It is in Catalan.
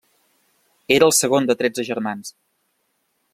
Era el segon de tretze germans.